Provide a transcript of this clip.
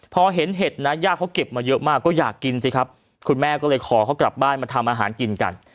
พอเห็นเห็ดนะย่าเขาเก็บมาเยอะมากก็อยากกินสิครับคุณแม่ก็เลยขอเขากลับบ้านมาทำอาหารกินกัน